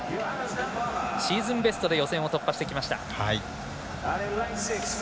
シーズンベストで予選を突破してきました。